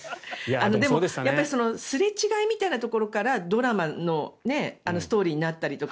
でもすれ違いみたいなところからドラマのストーリーになったりとか。